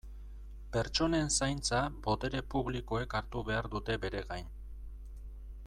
Pertsonen zaintza botere publikoek hartu behar dute bere gain.